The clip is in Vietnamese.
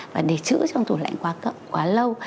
và để chữ trong tủ lạnh quá lâu